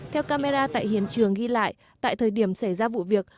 theo camera tại hiện trường ghi lại tại thời điểm xảy ra vụ việc